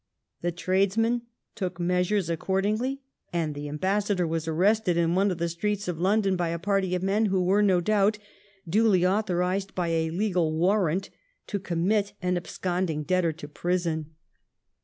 The tradesmen took measures accord ingly, and the ambassador was arrested in one of the streets of London by a party of men who were no doubt duly authorised by a legal warrant to com mit an absconding debtor to prison.